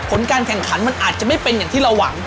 ผลการแข่งขันมันอาจจะไม่เป็นอย่างที่เราหวัง